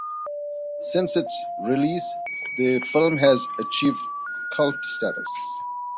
Since its release, the film has achieved cult status.